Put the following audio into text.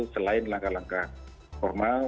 selain langkah langkah formal